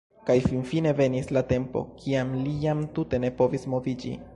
Kaj finfine venis la tempo, kiam li jam tute ne povis moviĝi.